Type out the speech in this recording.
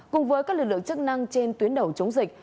cùng với các lực lượng chức năng trên tuyến đầu chống dịch